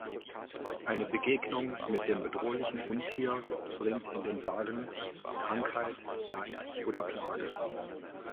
Eine Begegnung mit dem bedrohlichen Untier bringt in den Sagen Krankheit, Leid oder Plage.